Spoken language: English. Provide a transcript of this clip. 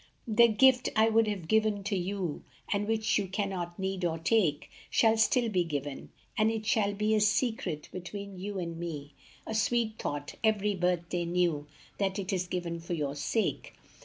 The gift I would have given to you, And which you cannot need or take, Shall still be given ; and it shall be A secret between you and me, A sweet thought, every birthday new, That it is given for your sake.